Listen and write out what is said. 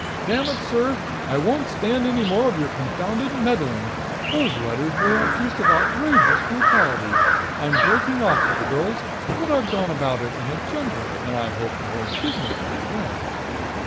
"Damn it, sir, I won't stand any more of your confounded meddling. Those letters were a piece of outrageous brutality. I'm breaking off with the girls, but I've gone about it in a gentler and, I hope, more dignified, way."